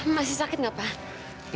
masih sakit gak pak